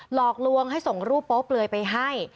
หลอกลวงให้ส่งรูปโป๊เปลือยไปให้